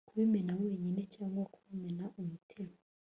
Kubimena wenyine cyangwa kumena umutima